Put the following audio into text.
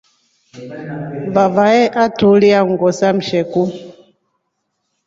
Vavae atulia nguo sa msheku.